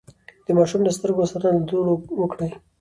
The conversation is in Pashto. د ماشوم د سترګو ساتنه له دوړو وکړئ.